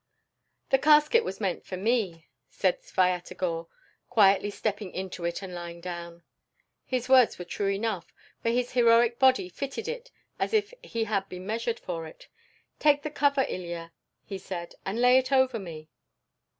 "The casket was meant for me," said Svyatogor, quietly stepping into it and lying down. His words were true enough, for his heroic body fitted it as if he had been measured for it. "Take the cover, Ilya," he said, "and lay it over me."